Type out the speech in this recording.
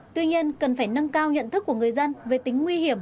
tuy nhiên cần phải nâng cao nhận thức của người dân về tính nguy hiểm